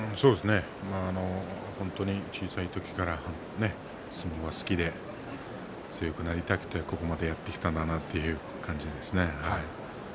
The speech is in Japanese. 本当に小さい時から相撲が好きで強くなりたくてここまでやってきたんだなという感じで。